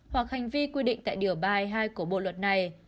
hoặc hành vi quy định tại điều ba trăm hai mươi hai của bộ luật này